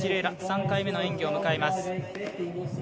楽３回目の演技を迎えます。